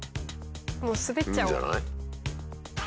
もう滑っちゃおう。